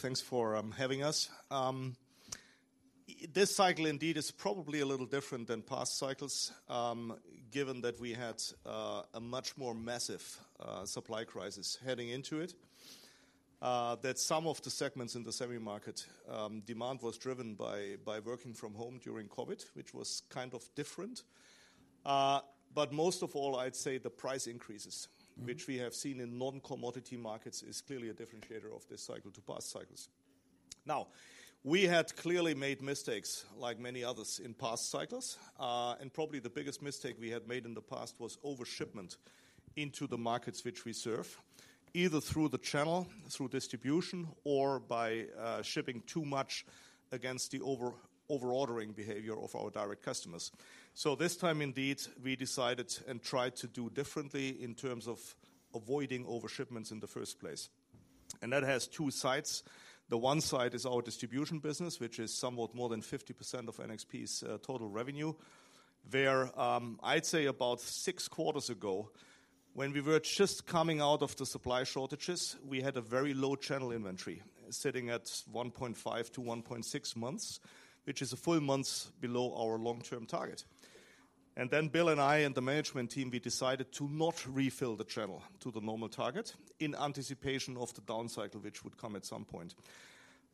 Thanks for having us. This cycle indeed is probably a little different than past cycles, given that we had a much more massive supply crisis heading into it. That some of the segments in the semi market, demand was driven by working from home during COVID, which was kind of different. But most of all, I'd say the price increases- Mm-hmm. -which we have seen in non-commodity markets, is clearly a differentiator of this cycle to past cycles. Now, we had clearly made mistakes, like many others in past cycles. And probably the biggest mistake we had made in the past was over-shipment into the markets which we serve, either through the channel, through distribution, or by shipping too much against the over-ordering behavior of our direct customers. So this time, indeed, we decided and tried to do differently in terms of avoiding over-shipments in the first place. And that has two sides. The one side is our distribution business, which is somewhat more than 50% of NXP's total revenue, where I'd say about 6 quarters ago, when we were just coming out of the supply shortages, we had a very low channel inventory, sitting at 1.5-1.6 months, which is a full month below our long-term target. Then Bill and I, and the management team, we decided to not refill the channel to the normal target in anticipation of the down cycle, which would come at some point.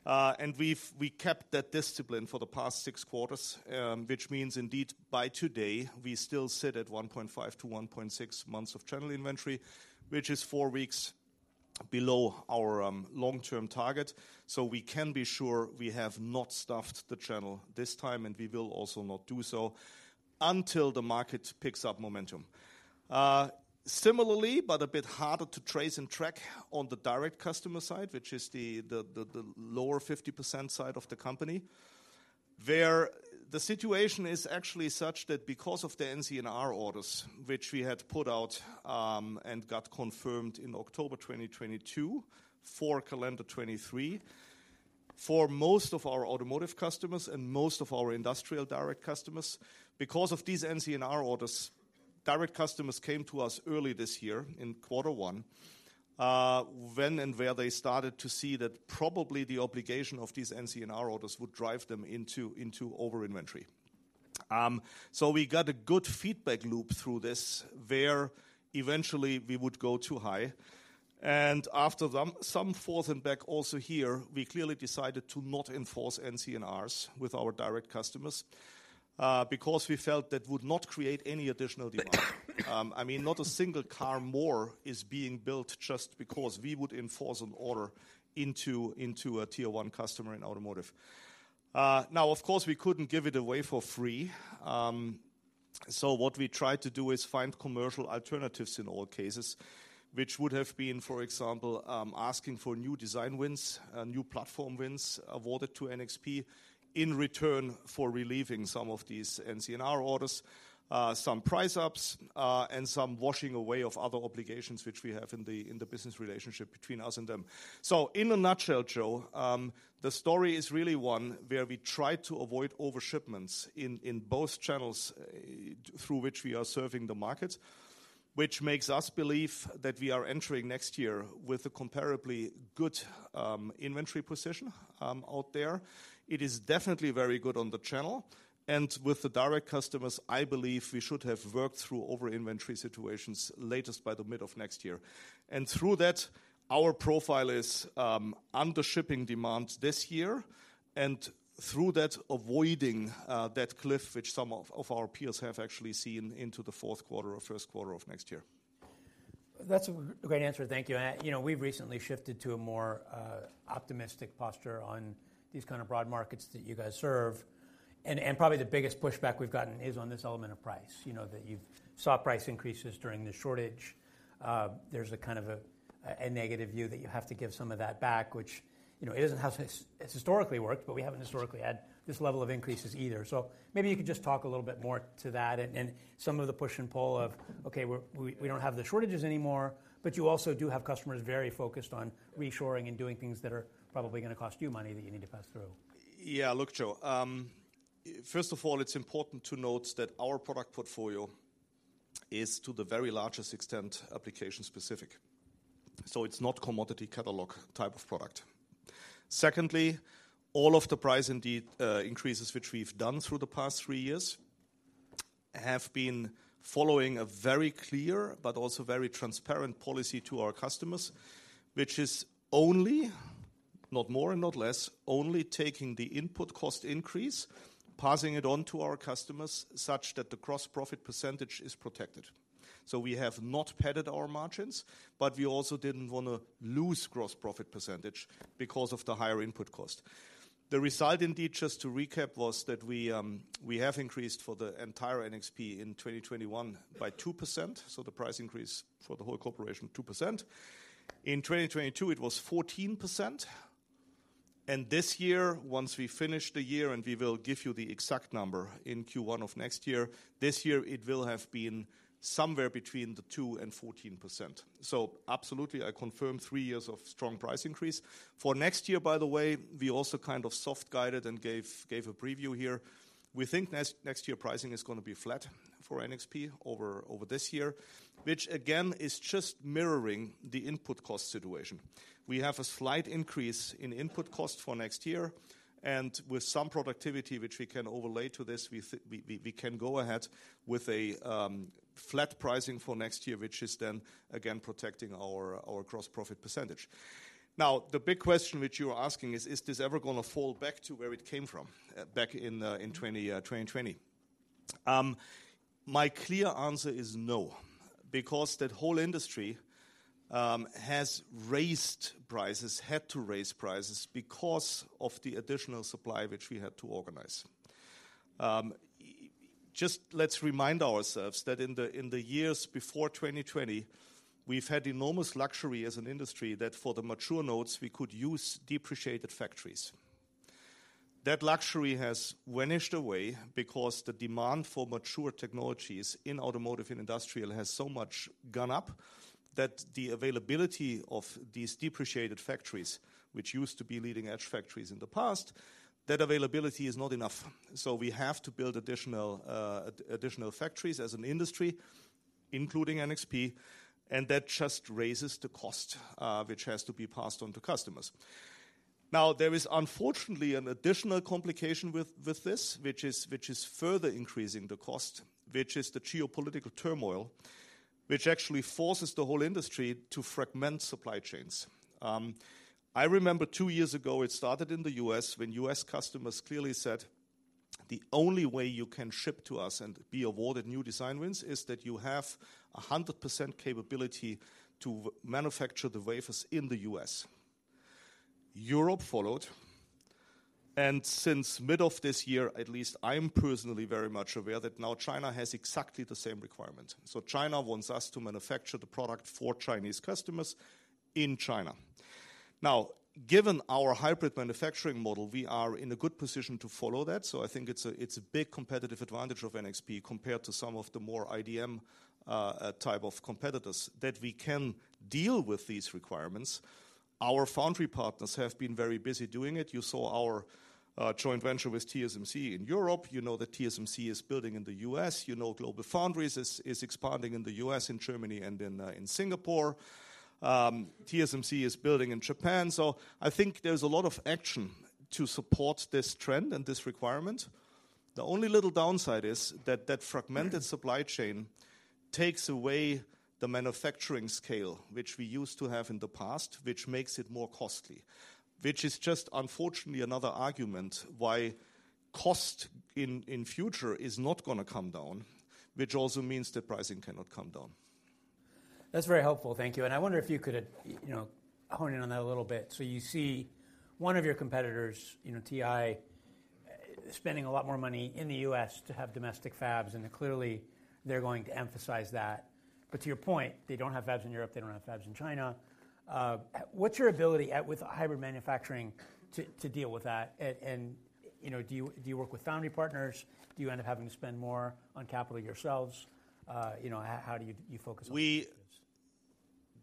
And we've kept that discipline for the past 6 quarters, which means indeed, by today, we still sit at 1.5-1.6 months of channel inventory, which is 4 weeks below our long-term target. So we can be sure we have not stuffed the channel this time, and we will also not do so until the market picks up momentum. Similarly, but a bit harder to trace and track on the direct customer side, which is the lower 50% side of the company, where the situation is actually such that because of the NCNR orders, which we had put out, and got confirmed in October 2022 for calendar 2023, for most of our automotive customers and most of our industrial direct customers, because of these NCNR orders, direct customers came to us early this year in quarter one, when and where they started to see that probably the obligation of these NCNR orders would drive them into over-inventory. So we got a good feedback loop through this, where eventually we would go too high, and after some back and forth also here, we clearly decided to not enforce NCNRs with our direct customers, because we felt that would not create any additional demand. I mean, not a single car more is being built just because we would enforce an order into a Tier 1 customer in automotive. Now, of course, we couldn't give it away for free, so what we tried to do is find commercial alternatives in all cases, which would have been, for example, asking for new design wins, new platform wins awarded to NXP, in return for relieving some of these NCNR orders, some price ups, and some washing away of other obligations which we have in the business relationship between us and them. So in a nutshell, Joe, the story is really one where we tried to avoid over-shipments in both channels through which we are serving the market, which makes us believe that we are entering next year with a comparably good inventory position out there. It is definitely very good on the channel and with the direct customers. I believe we should have worked through over-inventory situations latest by the mid of next year. And through that, our profile is under shipping demand this year, and through that, avoiding that cliff, which some of our peers have actually seen into the fourth quarter or first quarter of next year. That's a great answer. Thank you. And, you know, we've recently shifted to a more optimistic posture on these kind of broad markets that you guys serve. And probably the biggest pushback we've gotten is on this element of price. You know, that you've saw price increases during the shortage. There's a kind of a negative view that you have to give some of that back, which, you know, it isn't how it's historically worked, but we haven't historically had this level of increases either. So maybe you could just talk a little bit more to that and some of the push and pull of, okay, we don't have the shortages anymore, but you also do have customers very focused on reshoring and doing things that are probably gonna cost you money, that you need to pass through. Yeah, look, Joe, first of all, it's important to note that our product portfolio is, to the very largest extent, application-specific. So it's not commodity catalog type of product. Secondly, all of the price increases, which we've done through the past three years, have been following a very clear but also very transparent policy to our customers, which is only, not more and not less, only taking the input cost increase, passing it on to our customers, such that the gross profit percentage is protected. So we have not padded our margins, but we also didn't wanna lose gross profit percentage because of the higher input cost. The result, indeed, just to recap, was that we have increased for the entire NXP in 2021 by 2%, so the price increase for the whole corporation, 2%. In 2022, it was 14%. This year, once we finish the year, and we will give you the exact number in Q1 of next year, this year it will have been somewhere between 2% and 14%. Absolutely, I confirm three years of strong price increase. For next year, by the way, we also kind of soft guided and gave a preview here. We think next year pricing is going to be flat for NXP over this year, which again, is just mirroring the input cost situation. We have a slight increase in input cost for next year, and with some productivity, which we can overlay to this, we can go ahead with a flat pricing for next year, which is then again, protecting our gross profit percentage. Now, the big question which you are asking is: Is this ever going to fall back to where it came from, back in, in 2020? My clear answer is no, because the whole industry has raised prices, had to raise prices because of the additional supply which we had to organize. Just let's remind ourselves that in the, in the years before 2020, we've had enormous luxury as an industry that for the mature nodes, we could use depreciated factories. That luxury has vanished away because the demand for mature technologies in automotive and industrial has so much gone up, that the availability of these depreciated factories, which used to be leading-edge factories in the past, that availability is not enough. So we have to build additional factories as an industry, including NXP, and that just raises the cost, which has to be passed on to customers. Now, there is unfortunately, an additional complication with this, which is further increasing the cost, which is the geopolitical turmoil, which actually forces the whole industry to fragment supply chains. I remember two years ago, it started in the US, when US customers clearly said, "The only way you can ship to us and be awarded new design wins, is that you have 100% capability to manufacture the wafers in the US." Europe followed, and since mid of this year, at least I am personally very much aware that now China has exactly the same requirement. So China wants us to manufacture the product for Chinese customers in China. Now, given our hybrid manufacturing model, we are in a good position to follow that. So I think it's a, it's a big competitive advantage of NXP compared to some of the more IDM, type of competitors, that we can deal with these requirements. Our foundry partners have been very busy doing it. You saw our, joint venture with TSMC in Europe. You know that TSMC is building in the U.S. You know, GlobalFoundries is, is expanding in the U.S., and Germany, and in, in Singapore. TSMC is building in Japan. So I think there's a lot of action to support this trend and this requirement. The only little downside is that, that fragmented supply chain takes away the manufacturing scale, which we used to have in the past, which makes it more costly. Which is just unfortunately another argument why cost in future is not gonna come down, which also means that pricing cannot come down. That's very helpful. Thank you. And I wonder if you could, you know, hone in on that a little bit. So you see one of your competitors, you know, TI, spending a lot more money in the U.S. to have domestic fabs, and clearly, they're going to emphasize that. But to your point, they don't have fabs in Europe, they don't have fabs in China. What's your ability at, with hybrid manufacturing to, to deal with that? And, and you know, do you, do you work with foundry partners? Do you end up having to spend more on capital yourselves? You know, how do you, you focus on-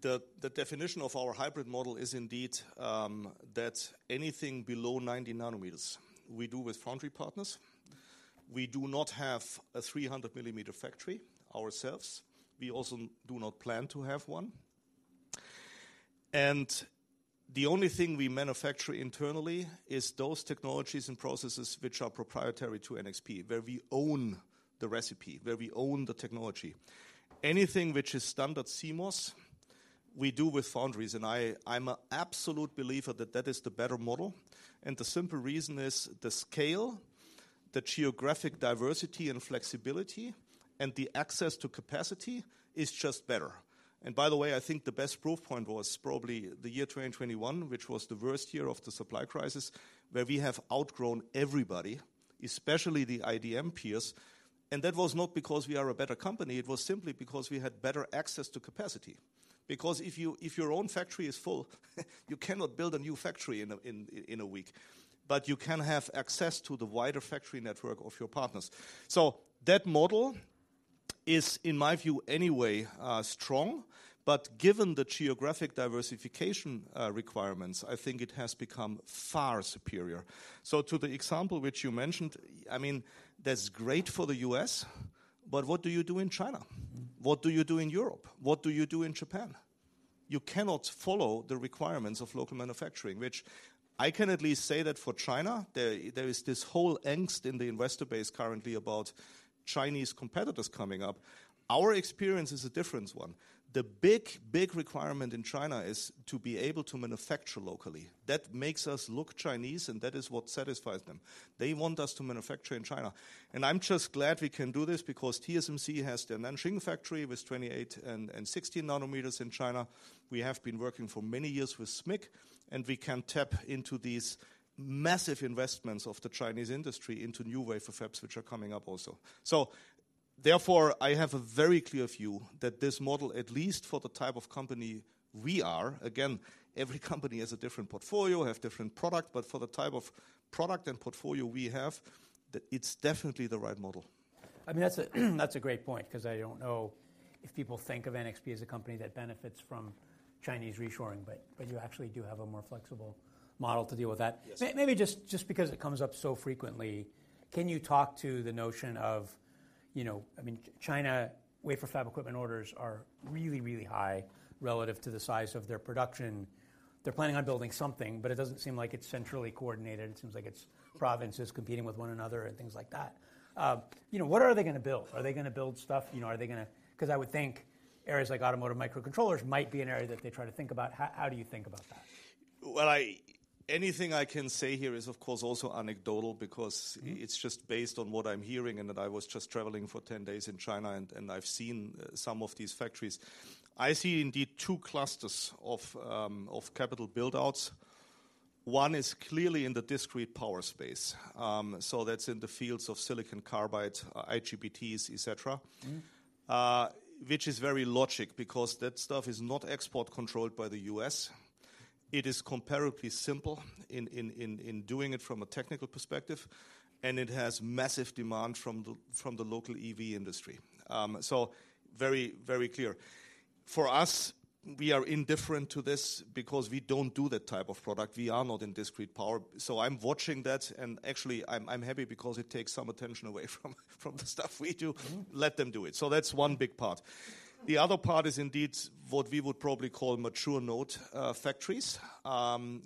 The definition of our hybrid model is indeed that anything below 90 nanometers, we do with foundry partners. We do not have a 300-millimeter factory ourselves. We also do not plan to have one. And the only thing we manufacture internally is those technologies and processes which are proprietary to NXP, where we own the recipe, where we own the technology. Anything which is standard CMOS, we do with foundries, and I'm an absolute believer that that is the better model. And the simple reason is the scale, the geographic diversity and flexibility, and the access to capacity is just better. And by the way, I think the best proof point was probably the year 2021, which was the worst year of the supply crisis, where we have outgrown everybody, especially the IDM peers, and that was not because we are a better company, it was simply because we had better access to capacity. Because if you, if your own factory is full, you cannot build a new factory in a week, but you can have access to the wider factory network of your partners. So that model is, in my view, anyway, strong, but given the geographic diversification requirements, I think it has become far superior. So to the example which you mentioned, I mean, that's great for the US, but what do you do in China? What do you do in Europe? What do you do in Japan? You cannot follow the requirements of local manufacturing, which I can at least say that for China, there, there is this whole angst in the investor base currently about Chinese competitors coming up. Our experience is a different one. The big, big requirement in China is to be able to manufacture locally. That makes us look Chinese, and that is what satisfies them. They want us to manufacture in China, and I'm just glad we can do this because TSMC has their Nanjing factory with 28 and, and 16 nanometers in China. We have been working for many years with SMIC, and we can tap into these massive investments of the Chinese industry into new wafer fabs, which are coming up also. So-... Therefore, I have a very clear view that this model, at least for the type of company we are, again, every company has a different portfolio, have different product, but for the type of product and portfolio we have, it's definitely the right model. I mean, that's a great point. 'Cause I don't know if people think of NXP as a company that benefits from Chinese reshoring, but you actually do have a more flexible model to deal with that. Yes. Maybe just, just because it comes up so frequently, can you talk to the notion of, you know—I mean, China, wafer fab equipment orders are really, really high relative to the size of their production. They're planning on building something, but it doesn't seem like it's centrally coordinated. It seems like it's provinces competing with one another and things like that. You know, what are they gonna build? Are they gonna build stuff...? You know, are they gonna—'Cause I would think areas like automotive microcontrollers might be an area that they try to think about. How do you think about that? Well, anything I can say here is, of course, also anecdotal, because- Mm-hmm... it's just based on what I'm hearing, and that I was just traveling for 10 days in China, and, and I've seen some of these factories. I see, indeed, two clusters of, of capital build-outs. One is clearly in the discrete power space. So that's in the fields of silicon carbide, IGBTs, et cetera. Mm-hmm. Which is very logical, because that stuff is not export-controlled by the U.S. It is comparatively simple in doing it from a technical perspective, and it has massive demand from the local EV industry. So very, very clear. For us, we are indifferent to this because we don't do that type of product. We are not in discrete power. So I'm watching that, and actually, I'm happy because it takes some attention away from the stuff we do. Mm-hmm. Let them do it. So that's one big part. The other part is indeed what we would probably call mature node factories.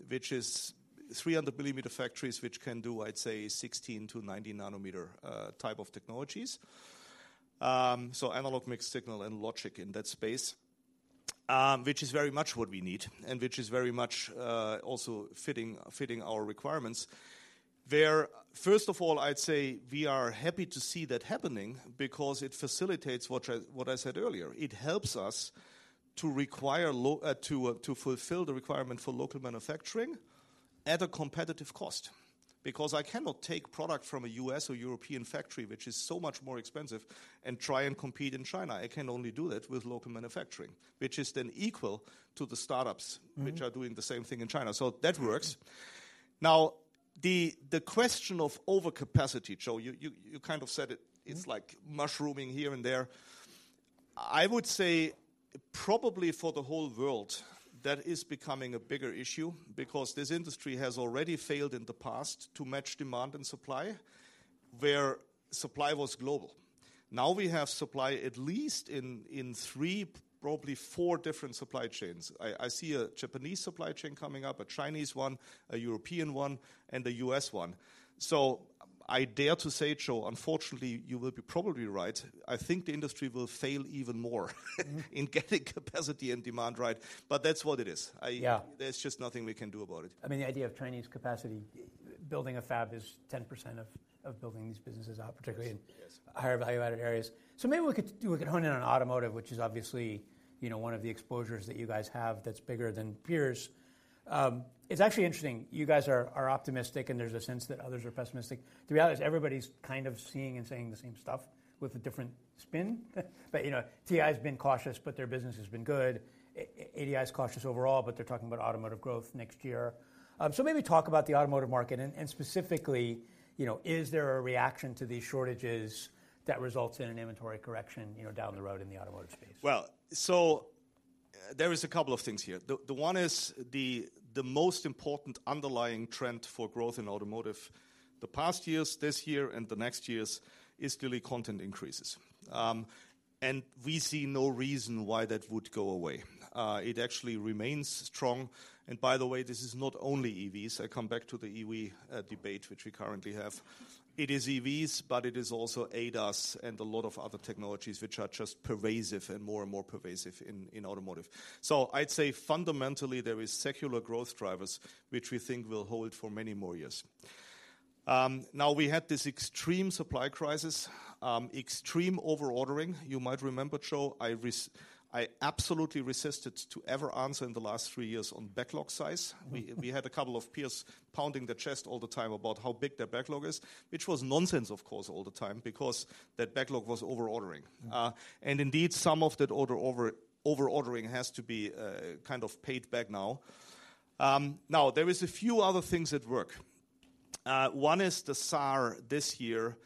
Which is 300-millimeter factories, which can do, I'd say, 16-90-nanometer type of technologies. So analog, mixed signal, and logic in that space, which is very much what we need, and which is very much also fitting our requirements. Where, first of all, I'd say we are happy to see that happening because it facilitates what I said earlier. It helps us to fulfill the requirement for local manufacturing at a competitive cost. Because I cannot take product from a U.S. or European factory, which is so much more expensive, and try and compete in China. I can only do that with local manufacturing, which is then equal to the startups- Mm-hmm... which are doing the same thing in China. So that works. Now, the question of overcapacity, Joe, you kind of said it- Mm-hmm... it's like mushrooming here and there. I would say probably for the whole world, that is becoming a bigger issue because this industry has already failed in the past to match demand and supply, where supply was global. Now, we have supply, at least in three, probably four different supply chains. I see a Japanese supply chain coming up, a Chinese one, a European one, and a U.S. one. So I dare to say, Joe, unfortunately, you will be probably right. I think the industry will fail even more, Mm-hmm. In getting capacity and demand right. But that's what it is. I- Yeah. There's just nothing we can do about it. I mean, the idea of Chinese capacity, building a fab is 10% of building these businesses out, particularly in- Yes... higher value-added areas. So maybe we could hone in on automotive, which is obviously, you know, one of the exposures that you guys have that's bigger than peers. It's actually interesting, you guys are optimistic, and there's a sense that others are pessimistic. To be honest, everybody's kind of seeing and saying the same stuff with a different spin. But, you know, TI's been cautious, but their business has been good. ADI is cautious overall, but they're talking about automotive growth next year. So maybe talk about the automotive market, and specifically, you know, is there a reaction to these shortages that results in an inventory correction, you know, down the road in the automotive space? Well, so there is a couple of things here. The one is the most important underlying trend for growth in automotive, the past years, this year, and the next years, is clearly content increases. And we see no reason why that would go away. It actually remains strong, and by the way, this is not only EVs. I come back to the EV debate, which we currently have. It is EVs, but it is also ADAS and a lot of other technologies, which are just pervasive and more and more pervasive in automotive. So I'd say fundamentally, there is secular growth drivers, which we think will hold for many more years. Now, we had this extreme supply crisis, extreme over-ordering. You might remember, Joe, I absolutely resisted to ever answer in the last three years on backlog size. Mm-hmm. We had a couple of peers pounding their chest all the time about how big their backlog is, which was nonsense, of course, all the time, because that backlog was over-ordering. Mm-hmm. And indeed, some of that order over, over-ordering has to be kind of paid back now. Now, there is a few other things at work. One is the SAAR this year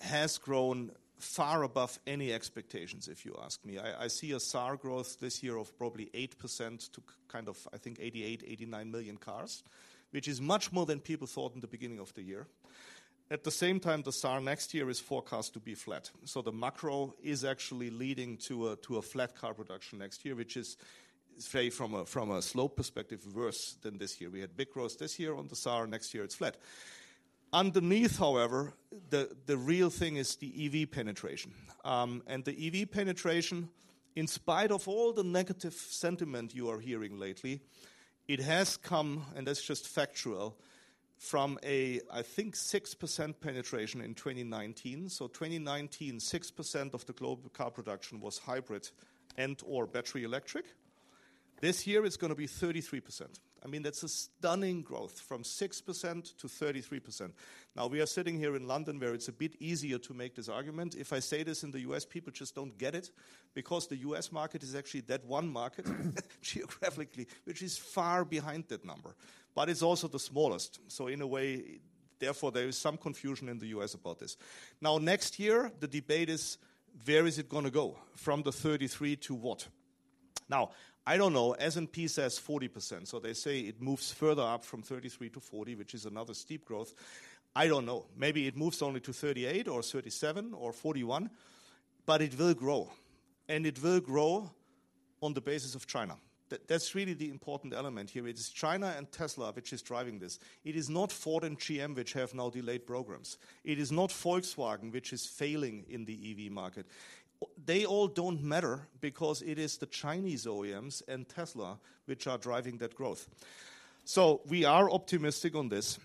has grown far above any expectations, if you ask me. I see a SAAR growth this year of probably 8% to kind of, I think 88-89 million cars, which is much more than people thought in the beginning of the year. At the same time, the SAAR next year is forecast to be flat, so the macro is actually leading to a flat car production next year, which is, say, from a slope perspective, worse than this year. We had big growth this year on the SAAR. Next year, it's flat. Underneath, however, the real thing is the EV penetration. The EV penetration, in spite of all the negative sentiment you are hearing lately, it has come, and that's just factual, from a, I think, 6% penetration in 2019. So 2019, 6% of the global car production was hybrid and/or battery electric.... This year, it's gonna be 33%. I mean, that's a stunning growth from 6% to 33%. Now, we are sitting here in London, where it's a bit easier to make this argument. If I say this in the U.S., people just don't get it, because the U.S. market is actually that one market, geographically, which is far behind that number, but it's also the smallest. So in a way, therefore, there is some confusion in the U.S. about this. Now, next year, the debate is: where is it gonna go? From the 33% to what? Now, I don't know. S&P says 40%, so they say it moves further up from 33% to 40%, which is another steep growth. I don't know, maybe it moves only to 38 or 37 or 41, but it will grow, and it will grow on the basis of China. That's really the important element here. It is China and Tesla, which is driving this. It is not Ford and GM, which have now delayed programs. It is not Volkswagen, which is failing in the EV market. They all don't matter because it is the Chinese OEMs and Tesla which are driving that growth. So we are optimistic on this,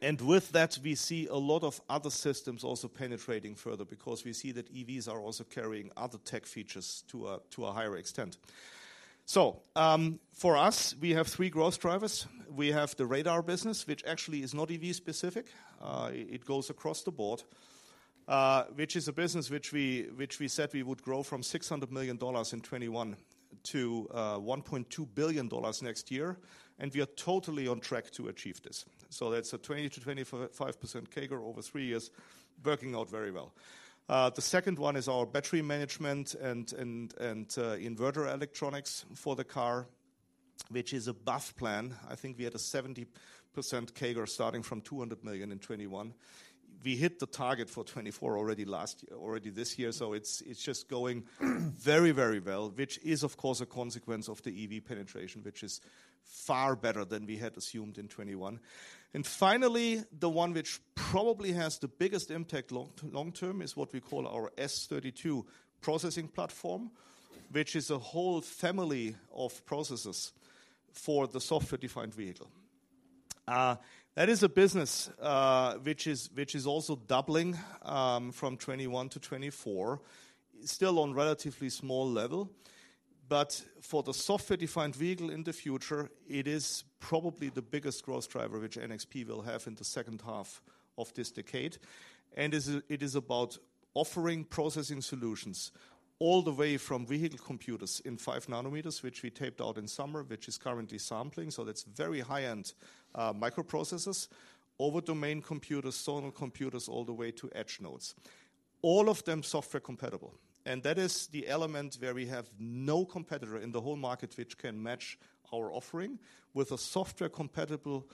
and with that, we see a lot of other systems also penetrating further, because we see that EVs are also carrying other tech features to a higher extent. So, for us, we have three growth drivers. We have the radar business, which actually is not EV specific. It goes across the board, which is a business which we said we would grow from $600 million in 2021 to $1.2 billion next year, and we are totally on track to achieve this. So that's a 20%-25% CAGR over three years, working out very well. The second one is our battery management and inverter electronics for the car, which is a big plan. I think we had a 70% CAGR starting from $200 million in 2021. We hit the target for 2024 already last year, already this year, so it's just going very, very well, which is, of course, a consequence of the EV penetration, which is far better than we had assumed in 2021. Finally, the one which probably has the biggest impact long term is what we call our S32 processing platform, which is a whole family of processors for the software-defined vehicle. That is a business which is also doubling from 2021 to 2024. It's still on relatively small level, but for the software-defined vehicle in the future, it is probably the biggest growth driver which NXP will have in the second half of this decade, and it is about offering processing solutions all the way from vehicle computers in 5 nanometers, which we taped out in summer, which is currently sampling, so that's very high-end microprocessors, over domain computers, zonal computers, all the way to edge nodes. All of them software compatible, and that is the element where we have no competitor in the whole market, which can match our offering with a software-compatible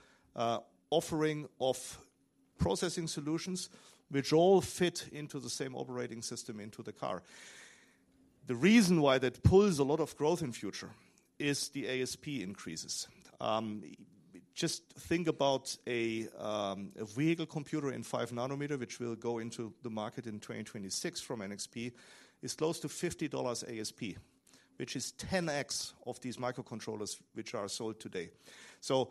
offering of processing solutions, which all fit into the same operating system into the car. The reason why that pulls a lot of growth in future is the ASP increases. Just think about a vehicle computer in 5-nanometer, which will go into the market in 2026 from NXP, is close to $50 ASP, which is 10x of these microcontrollers which are sold today. So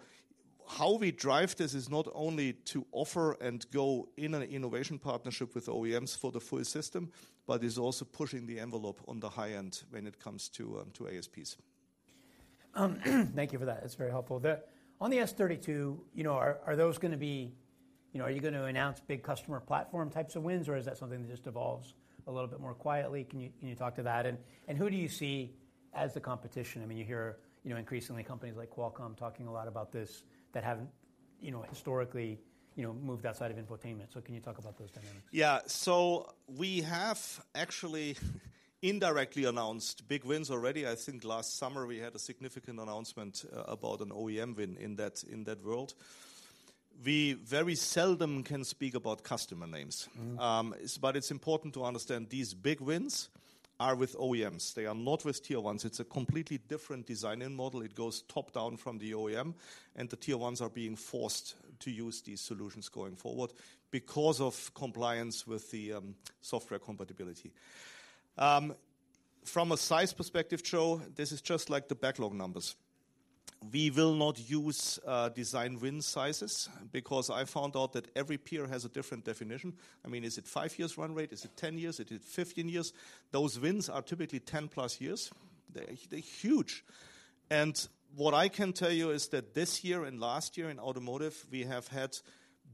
how we drive this is not only to offer and go in an innovation partnership with OEMs for the full system, but is also pushing the envelope on the high end when it comes to ASPs. Thank you for that. It's very helpful. On the S32, you know, are those gonna be... You know, are you going to announce big customer platform types of wins, or is that something that just evolves a little bit more quietly? Can you talk to that, and who do you see as the competition? I mean, you hear, you know, increasingly companies like Qualcomm talking a lot about this, that have, you know, historically, you know, moved outside of infotainment. So can you talk about those dynamics? Yeah. So we have actually indirectly announced big wins already. I think last summer we had a significant announcement about an OEM win in that, in that world. We very seldom can speak about customer names. Mm-hmm. But it's important to understand these big wins are with OEMs. They are not with tier ones. It's a completely different design and model. It goes top-down from the OEM, and the tier ones are being forced to use these solutions going forward because of compliance with the software compatibility. From a size perspective, Joe, this is just like the backlog numbers. We will not use design win sizes because I found out that every peer has a different definition. I mean, is it 5 years run rate? Is it 10 years? Is it 15 years? Those wins are typically 10+ years. They're huge, and what I can tell you is that this year and last year in automotive, we have had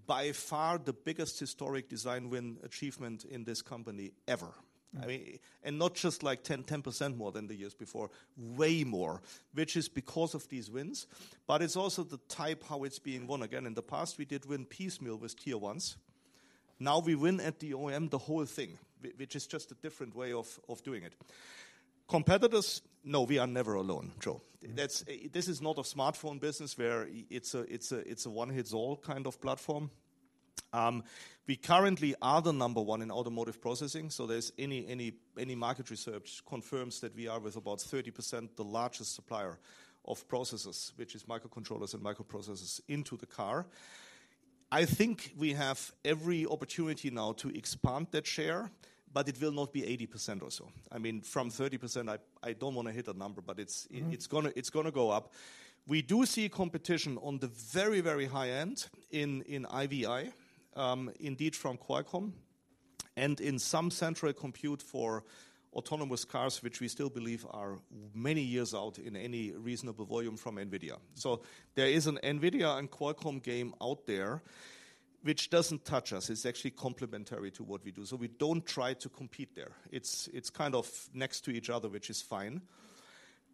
by far the biggest historic design win achievement in this company ever. Mm. I mean, and not just like 10-10% more than the years before, way more, which is because of these wins, but it's also the type, how it's being won again. In the past, we did win piecemeal with Tier 1s. Now, we win at the OEM, the whole thing, which is just a different way of doing it. Competitors? No, we are never alone, Joe. Mm. This is not a smartphone business where it's a one-hits-all kind of platform. We currently are the number one in automotive processing, so any market research confirms that we are, with about 30%, the largest supplier of processors, which is microcontrollers and microprocessors into the car. I think we have every opportunity now to expand that share, but it will not be 80% or so. I mean, from 30%, I don't wanna hit a number, but it's- Mm... it's gonna, it's gonna go up. We do see competition on the very, very high end in IVI, indeed, from Qualcomm and in some central compute for autonomous cars, which we still believe are many years out in any reasonable volume from NVIDIA. So there is an NVIDIA and Qualcomm game out there, which doesn't touch us. It's actually complementary to what we do, so we don't try to compete there. It's kind of next to each other, which is fine.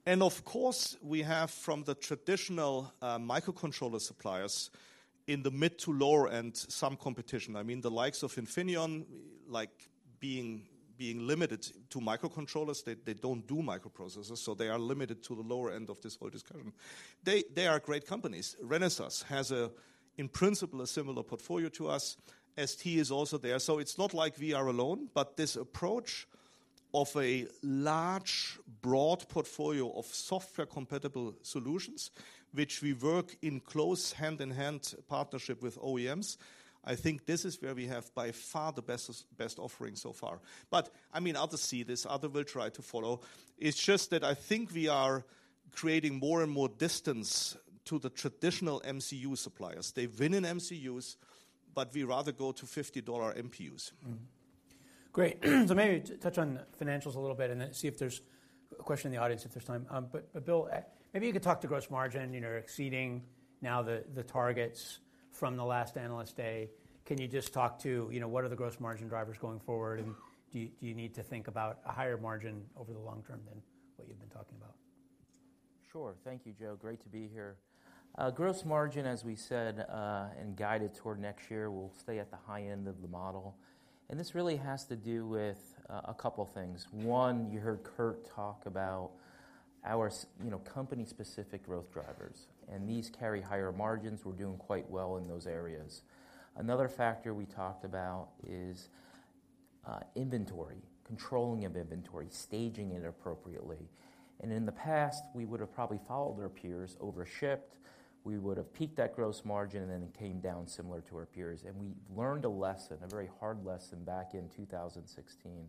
And of course, we have from the traditional microcontroller suppliers in the mid- to lower-end, some competition. I mean, the likes of Infineon, like being limited to microcontrollers. They don't do microprocessors, so they are limited to the lower end of this whole discussion. They are great companies. Renesas has, in principle, a similar portfolio to us. ST is also there. So it's not like we are alone, but this approach of a large, broad portfolio of software-compatible solutions, which we work in close hand-in-hand partnership with OEMs, I think this is where we have by far the best, best offering so far. But, I mean, others see this, others will try to follow. It's just that I think we are creating more and more distance to the traditional MCU suppliers. They win in MCUs, but we rather go to $50 MPUs. Mm-hmm. Great. So maybe touch on the financials a little bit and then see if there's a question in the audience, if there's time. But Bill, maybe you could talk to gross margin, you know, exceeding now the targets from the last Analyst Day. Can you just talk to, you know, what are the gross margin drivers going forward, and do you need to think about a higher margin over the long term than what you've been talking about? Sure. Thank you, Joe. Great to be here. Gross margin, as we said, and guided toward next year, will stay at the high end of the model. And this really has to do with a couple things. One, you heard Kurt talk about our S32, you know, company-specific growth drivers, and these carry higher margins. We're doing quite well in those areas. Another factor we talked about is inventory, controlling of inventory, staging it appropriately. And in the past, we would have probably followed our peers, overshipped. We would have peaked that gross margin, and then it came down similar to our peers. And we learned a lesson, a very hard lesson, back in 2016.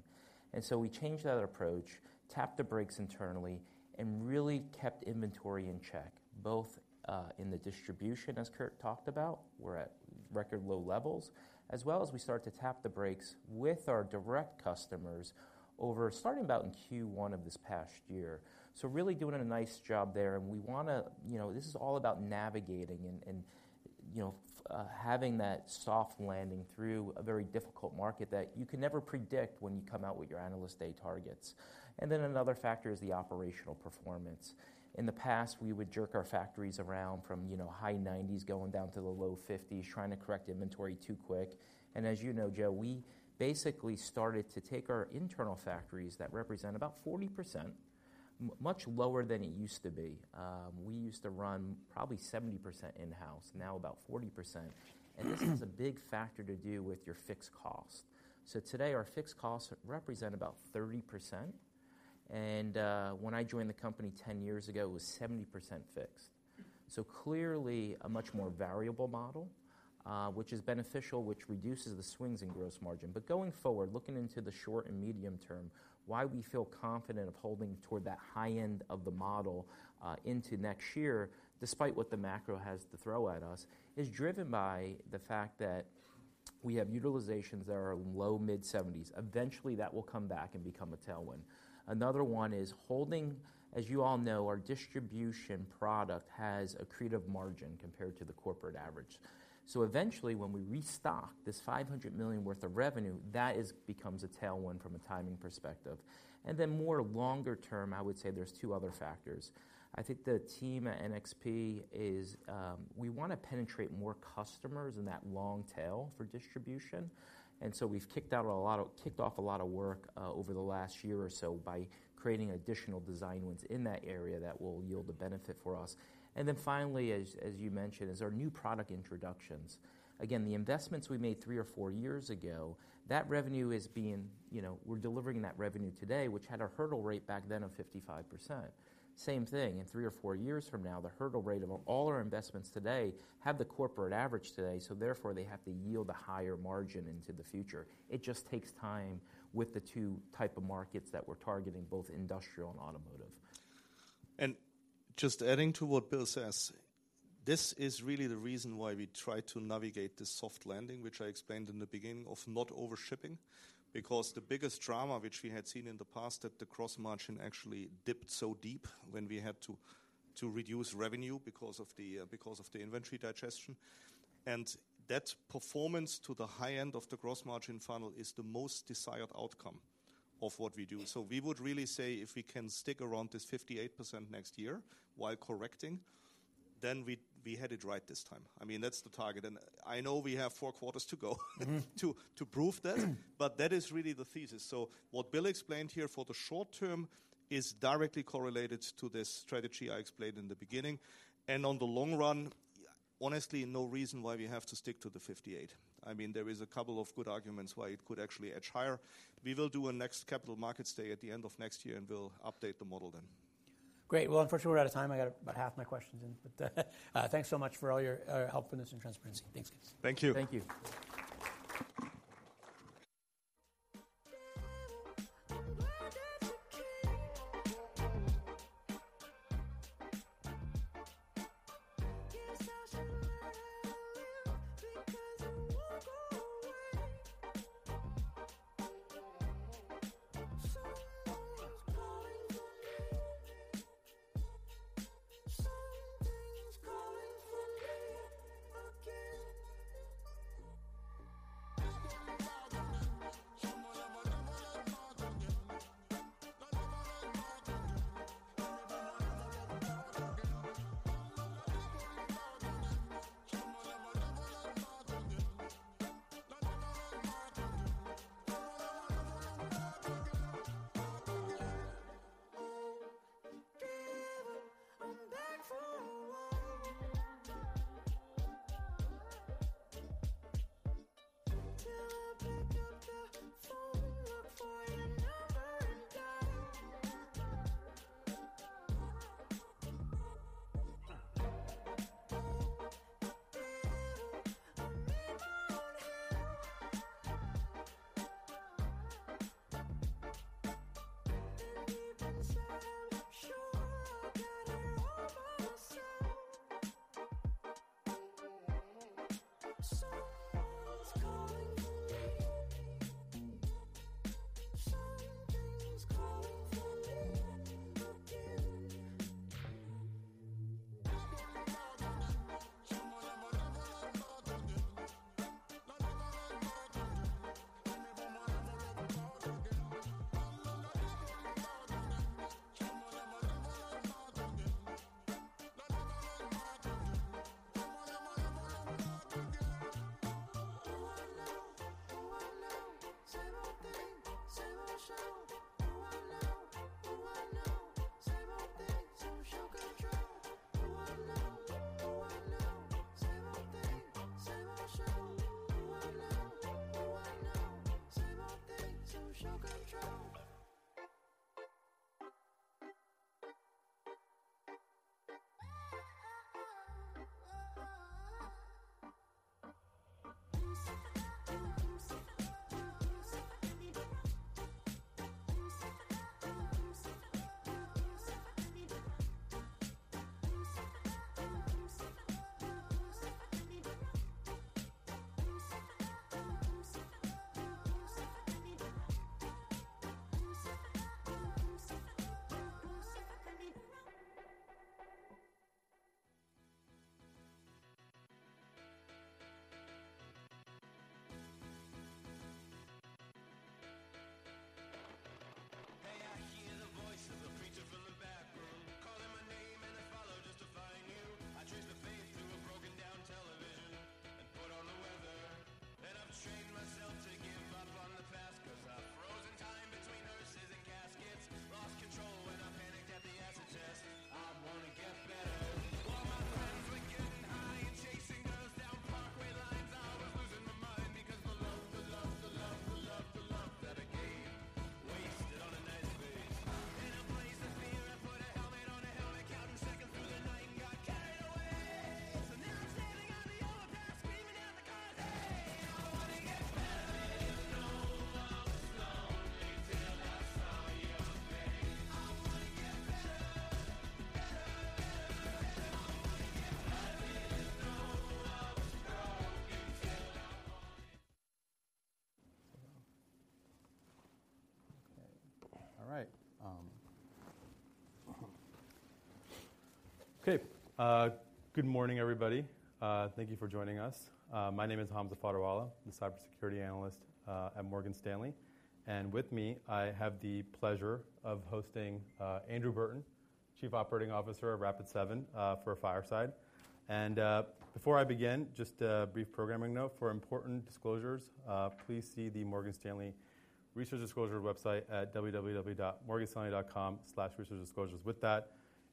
So we changed that approach, tapped the brakes internally, and really kept inventory in check, both in the distribution, as Kurt talked about, we're at record low levels, as well as we start to tap the brakes with our direct customers over starting about in Q1 of this past year. So really doing a nice job there, and we wanna... You know, this is all about navigating and, you know, having that soft landing through a very difficult market that you can never predict when you come out with your Analyst Day targets. Then another factor is the operational performance. In the past, we would jerk our factories around from, you know, high 90s, going down to the low 50s, trying to correct inventory too quick. As you know, Joe, we basically started to take our internal factories that represent about 40%, much lower than it used to be. We used to run probably 70% in-house, now about 40%. And this has a big factor to do with your fixed cost. So today, our fixed costs represent about 30%, and, when I joined the company 10 years ago, it was 70% fixed. So clearly, a much more variable model, which is beneficial, which reduces the swings in gross margin. But going forward, looking into the short and medium term, why we feel confident of holding toward that high end of the model, into next year, despite what the macro has to throw at us, is driven by the fact that we have utilizations that are low-mid 70s. Eventually, that will come back and become a tailwind. Another one is holding, as you all know, our distribution product has accretive margin compared to the corporate average. So eventually, when we restock this $500 million worth of revenue, that becomes a tailwind from a timing perspective. And then more longer term, I would say there's two other factors. I think the team at NXP is, we wanna penetrate more customers in that long tail for distribution, and so we've kicked off a lot of work over the last year or so by creating additional design wins in that area that will yield a benefit for us. And then finally, as you mentioned, is our new product introductions. Again, the investments we made three or four years ago, that revenue is being, you know, we're delivering that revenue today, which had a hurdle rate back then of 55%. Same thing, in three or four years from now, the hurdle rate of all our investments today have the corporate average today, so therefore, they have to yield a higher margin into the future. It just takes time with the two types of markets that we're targeting, both industrial and automotive. Just adding to what Bill says, this is really the reason why we try to navigate this soft landing, which I explained in the beginning, of not over-shipping. Because the biggest drama which we had seen in the past, that the gross margin actually dipped so deep when we had to reduce revenue because of the inventory digestion. That performance to the high end of the gross margin funnel is the most desired outcome of what we do. We would really say if we can stick around this 58% next year while correcting, then we had it right this time. I mean, that's the target, and I know we have four quarters to go to prove that, but that is really the thesis. So what Bill explained here for the short term is directly correlated to this strategy I explained in the beginning, and on the long run, honestly, no reason why we have to stick to the 58. I mean, there is a couple of good arguments why it could actually edge higher. We will do a next Capital Markets Day at the end of next year, and we'll update the model then. Great. Well, unfortunately, we're out of time. I got about half my questions in, but, thanks so much for all your help with this and transparency. Thanks, guys. Thank you. Thank you.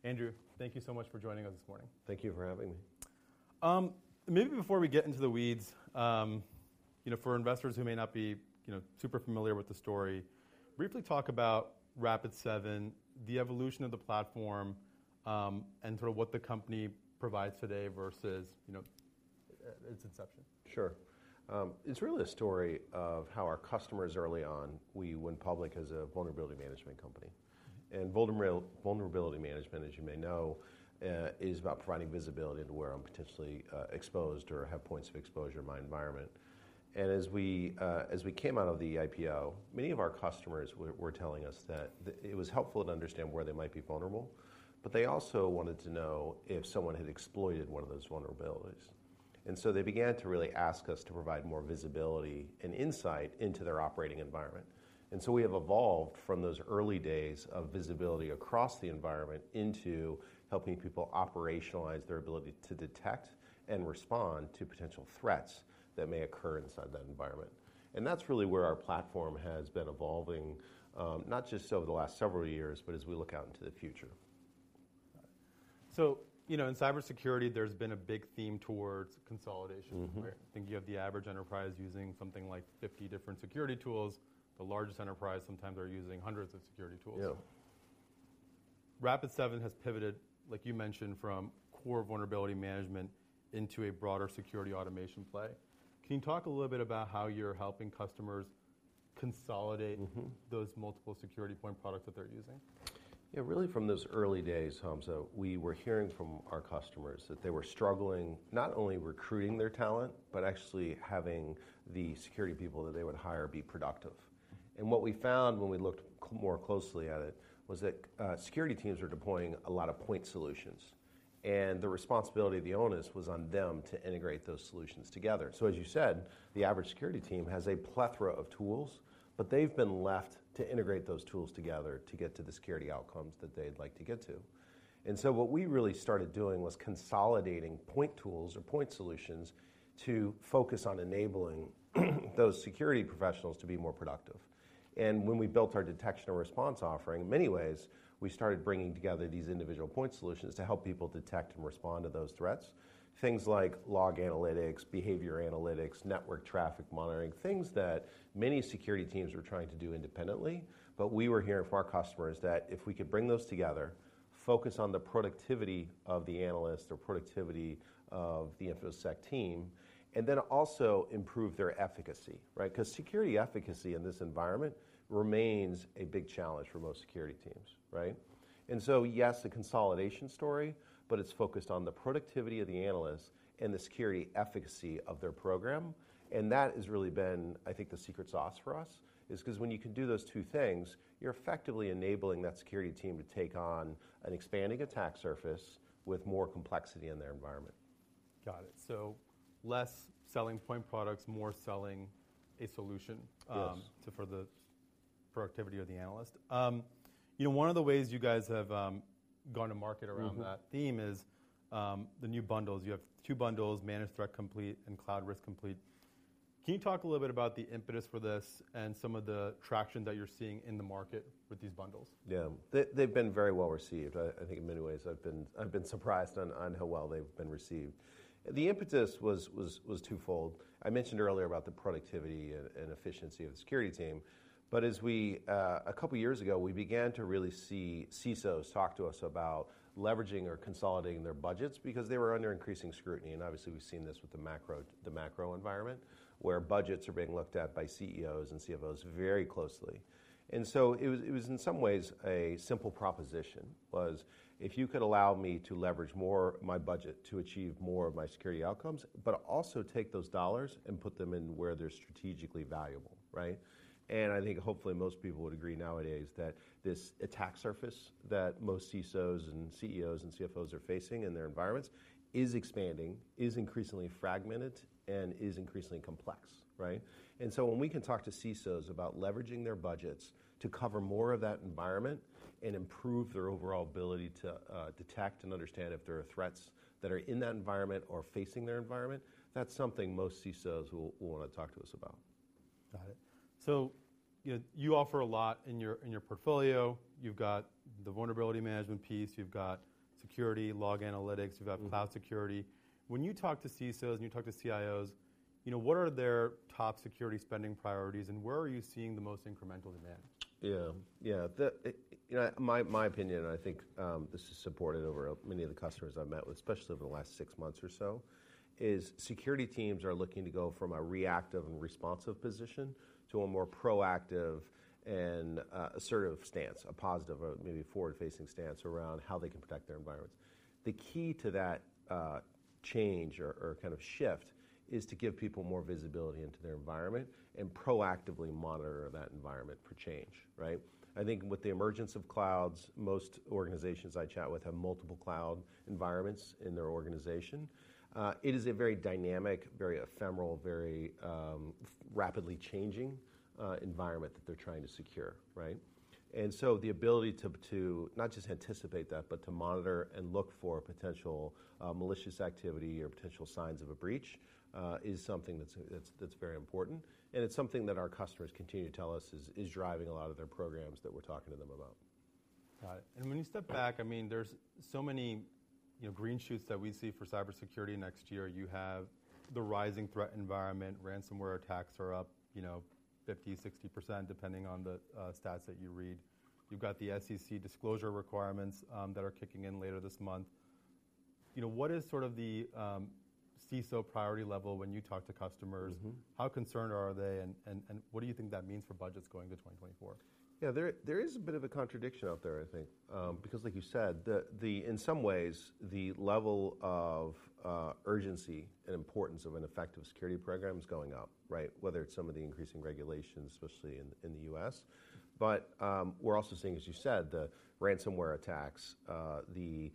Andrew, thank you so much for joining us this morning. Thank you for having me. Maybe before we get into the weeds, you know, for investors who may not be, you know, super familiar with the story, briefly talk about Rapid7, the evolution of the platform, and sort of what the company provides today versus, you know, its inception. Sure. It's really a story of how our customers early on. We went public as a vulnerability management company, and vulnerability management, as you may know, is about providing visibility into where I'm potentially exposed or have points of exposure in my environment. And as we came out of the IPO, many of our customers were telling us that it was helpful to understand where they might be vulnerable, but they also wanted to know if someone had exploited one of those vulnerabilities. And so they began to really ask us to provide more visibility and insight into their operating environment. And so we have evolved from those early days of visibility across the environment into helping people operationalize their ability to detect and respond to potential threats that may occur inside that environment. That's really where our platform has been evolving, not just over the last several years, but as we look out into the future. You know, in cybersecurity, there's been a big theme towards consolidation, right? Mm-hmm. I think you have the average enterprise using something like 50 different security tools. The largest enterprise, sometimes they're using hundreds of security tools. Yeah. Rapid7 has pivoted, like you mentioned, from core vulnerability management into a broader security automation play. Can you talk a little bit about how you're helping customers consolidate? Mm-hmm. those multiple security point products that they're using? Yeah, really from those early days, Hamza, we were hearing from our customers that they were struggling, not only recruiting their talent, but actually having the security people that they would hire be productive. And what we found when we looked more closely at it, was that, security teams were deploying a lot of point solutions. And the responsibility of the onus was on them to integrate those solutions together. So as you said, the average security team has a plethora of tools, but they've been left to integrate those tools together to get to the security outcomes that they'd like to get to. And so what we really started doing was consolidating point tools or point solutions to focus on enabling those security professionals to be more productive. And when we built our detection and response offering, in many ways, we started bringing together these individual point solutions to help people detect and respond to those threats. Things like log analytics, behavior analytics, network traffic monitoring, things that many security teams were trying to do independently, but we were hearing from our customers that if we could bring those together, focus on the productivity of the analyst or productivity of the infoSec team, and then also improve their efficacy, right? 'Cause security efficacy in this environment remains a big challenge for most security teams, right? And so, yes, the consolidation story, but it's focused on the productivity of the analyst and the security efficacy of their program, and that has really been, I think, the secret sauce for us. It's 'cause when you can do those two things, you're effectively enabling that security team to take on an expanding attack surface with more complexity in their environment. Got it. So less selling point products, more selling a solution. Yes. -to, for the productivity of the analyst. You know, one of the ways you guys have gone to market around- Mm-hmm... that theme is, the new bundles. You have two bundles, Managed Threat Complete and Cloud Risk Complete. Can you talk a little bit about the impetus for this and some of the traction that you're seeing in the market with these bundles? Yeah. They, they've been very well received. I think in many ways I've been, I've been surprised on, on how well they've been received. The impetus was twofold. I mentioned earlier about the productivity and efficiency of the security team, but as we... A couple of years ago, we began to really see CISOs talk to us about leveraging or consolidating their budgets because they were under increasing scrutiny, and obviously, we've seen this with the macro, the macro environment, where budgets are being looked at by CEOs and CFOs very closely. And so it was in some ways a simple proposition, was if you could allow me to leverage more my budget to achieve more of my security outcomes, but also take those dollars and put them in where they're strategically valuable, right? I think hopefully, most people would agree nowadays that this attack surface that most CISOs and CEOs and CFOs are facing in their environments is expanding, is increasingly fragmented, and is increasingly complex, right? And so when we can talk to CISOs about leveraging their budgets to cover more of that environment and improve their overall ability to detect and understand if there are threats that are in that environment or facing their environment, that's something most CISOs will wanna talk to us about. Got it. So, you know, you offer a lot in your, in your portfolio. You've got the vulnerability management piece, you've got security, log analytics- Mm-hmm. You've got cloud security. When you talk to CISOs, and you talk to CIOs, you know, what are their top security spending priorities, and where are you seeing the most incremental demand? Yeah. Yeah. The, you know, my, my opinion, and I think, this is supported over many of the customers I've met with, especially over the last six months or so, is security teams are looking to go from a reactive and responsive position to a more proactive and, assertive stance, a positive, or maybe a forward-facing stance around how they can protect their environments. The key to that, change or kind of shift, is to give people more visibility into their environment and proactively monitor that environment for change, right? I think with the emergence of clouds, most organizations I chat with have multiple cloud environments in their organization. It is a very dynamic, very ephemeral, very, rapidly changing, environment that they're trying to secure, right? And so the ability to not just anticipate that, but to monitor and look for potential malicious activity or potential signs of a breach is something that's very important, and it's something that our customers continue to tell us is driving a lot of their programs that we're talking to them about. And when you step back, I mean, there's so many, you know, green shoots that we see for cybersecurity next year. You have the rising threat environment. Ransomware attacks are up, you know, 50%-60%, depending on the stats that you read. You've got the SEC disclosure requirements that are kicking in later this month. You know, what is sort of the CISO priority level when you talk to customers? Mm-hmm. How concerned are they, and what do you think that means for budgets going to 2024? Yeah, there is a bit of a contradiction out there, I think, because like you said, in some ways, the level of urgency and importance of an effective security program is going up, right? Whether it's some of the increasing regulations, especially in the U.S. But, we're also seeing, as you said, the ransomware attacks, the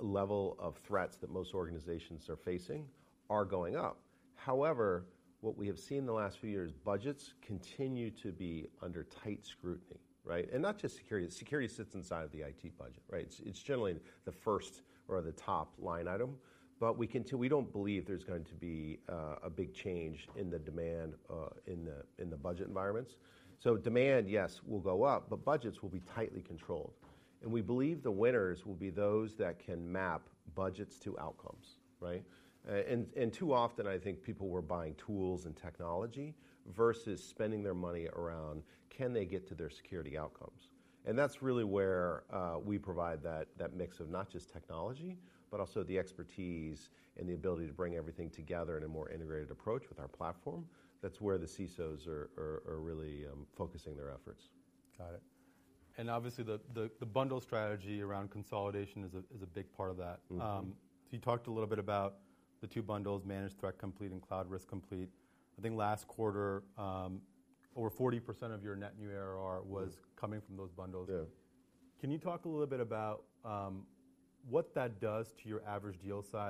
level of threats that most organizations are facing are going up. However, what we have seen in the last few years, budgets continue to be under tight scrutiny, right? And not just security. Security sits inside of the IT budget, right? It's generally the first or the top-line item. But we continue—we don't believe there's going to be a big change in the demand, in the budget environments. So demand, yes, will go up, but budgets will be tightly controlled. We believe the winners will be those that can map budgets to outcomes, right? And too often, I think people were buying tools and technology versus spending their money around: Can they get to their security outcomes? And that's really where we provide that mix of not just technology, but also the expertise and the ability to bring everything together in a more integrated approach with our platform. That's where the CISOs are really focusing their efforts. Got it. And obviously, the bundle strategy around consolidation is a big part of that. Mm-hmm. So you talked a little bit about the two bundles, Managed Threat Complete and Cloud Risk Complete. I think last quarter, over 40% of your net new ARR was- Mm coming from those bundles. Yeah. Can you talk a little bit about what that does to your average deal size?